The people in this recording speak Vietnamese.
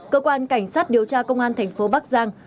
cơ quan cảnh sát điều tra công an thành phố bắc giang